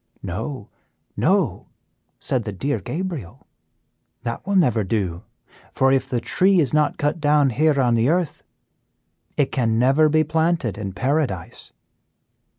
"'No, no,' said the dear Gabriel, 'that will never do, for if the tree is not cut down here on the earth, it can never be planted in paradise.